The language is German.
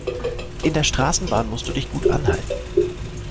In der Straßenbahn musst du dich gut anhalten.